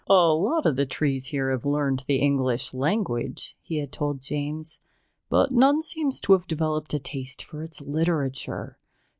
"A lot of the trees here have learned the English language," he had told James, "but none seems to have developed a taste for its literature.